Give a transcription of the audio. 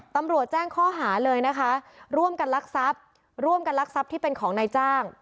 ตำรวจแจ้งข้อหาเลยนะคะร่วมกันลักทรัพย์ร่วมกันลักทรัพย์ที่เป็นของนายจ้าง